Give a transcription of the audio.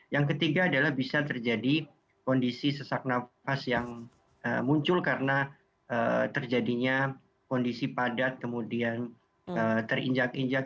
yang ketiga adalah bisa terjadi kondisi sesak nafas yang muncul karena terjadinya kondisi padat kemudian terinjak injak